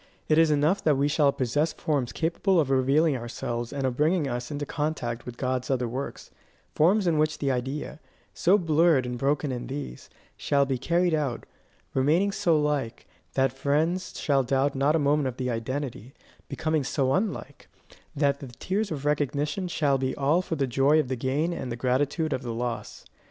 It is enough that we shall possess forms capable of revealing ourselves and of bringing us into contact with God's other works; forms in which the idea, so blurred and broken in these, shall be carried out remaining so like, that friends shall doubt not a moment of the identity, becoming so unlike, that the tears of recognition shall be all for the joy of the gain and the gratitude of the loss.